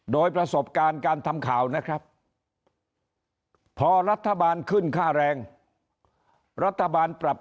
โดยประสบการณ์การทำข่าวนะครับ